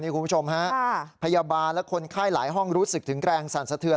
คุณผู้ชมฮะพยาบาลและคนไข้หลายห้องรู้สึกถึงแรงสั่นสะเทือน